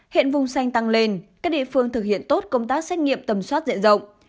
hiện vùng xanh tăng lên các địa phương thực hiện tốt công tác xét nghiệm tầm soát dễ dọng